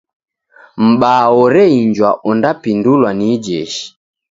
M'baa oreinjwa ondapindulwa ni ijeshi.